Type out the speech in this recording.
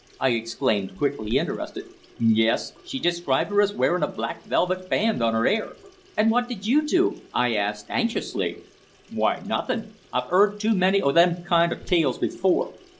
I exclaimed, quickly interested. "Yes; she described her as wearin' a black velvet band on her hair." "And what did you do?" I asked anxiously. "Why, nothing. I've 'eard too many o' them kind o' tales before."